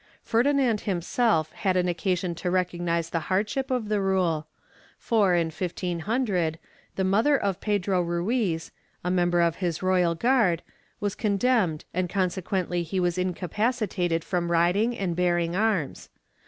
^ Ferdinand himself had had occasion to recognize the hardship of the rule for, in 1500, the mother of Pero Ruiz, a member of his royal guard, was con demned and consequently he was incapacitated from riding and bearing arms.